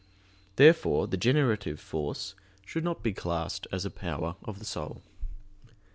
Therefore the generative force should not be classed as a power of the soul.